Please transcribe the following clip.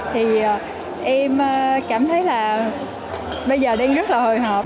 thì em cảm thấy là bây giờ đang rất là hồi hộp